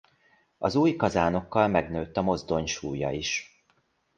Az új kazánokkal megnőtt a mozdony súlya is.